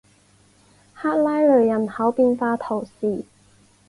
克拉雷人口变化图示